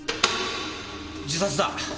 自殺だ。